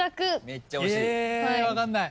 めっちゃ惜しい。